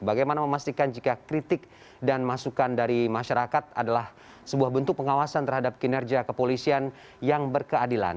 bagaimana memastikan jika kritik dan masukan dari masyarakat adalah sebuah bentuk pengawasan terhadap kinerja kepolisian yang berkeadilan